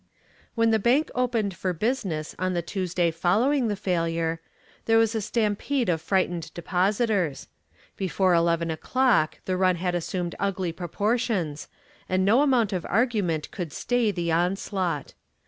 When the bank opened for business on the Tuesday following the failure, there was a stampede of frightened depositors. Before eleven o'clock the run had assumed ugly proportions and no amount of argument could stay the onslaught.